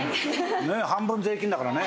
半分税金だからね。